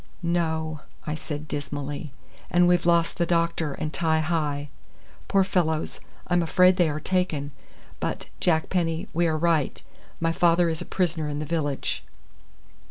"No," I said dismally, "and we've lost the doctor and Ti hi. Poor fellows, I'm afraid they are taken. But, Jack Penny, we are right. My father is a prisoner in the village."